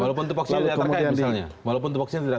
walaupun tupoksinya tidak terkait misalnya